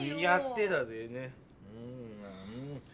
やってだぜぇ。ね。